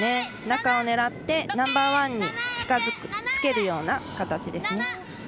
中を狙ってナンバーワンに近づけるような形ですね。